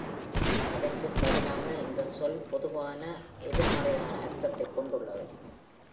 அதற்குப் பதிலாக, இந்த சொல் பொதுவாக எதிர் மறையான அர்த்தத்தைக் கொண்டுள்ளது.